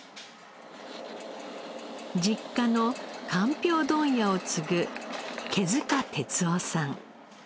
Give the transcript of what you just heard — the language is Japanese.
実家のかんぴょう問屋を継ぐ毛塚哲生さん。